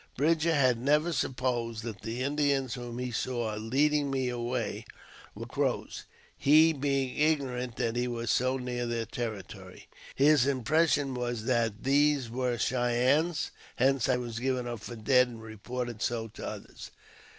Bridger had never supposed that the Indians whom he saw leading me away were Crows, he being ignorant that he was so near their territory. His impression was that these were Cheyennes, hence I was given up for dead and reported so to others.